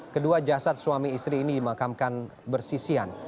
kedua jasad suami istri ini dimakamkan bersisian